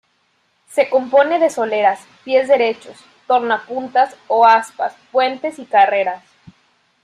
Se compone de soleras, pies derechos, tornapuntas o aspas, puentes y carreras.